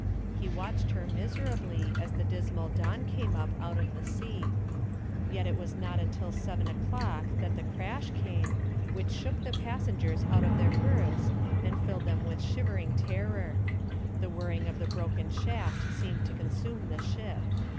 He watched her miserably as the dismal dawn came up out of the sea. Yet it was not until seven o'clock that the crash came, which shook the passengers out of their berths and filled them with shivering terror. The whirring of the broken shaft seemed to consume the ship.